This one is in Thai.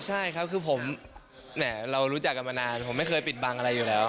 ใช่เรารู้จักกันมานานผมไม่เคยเปิดบังอะไรอยู่แล้ว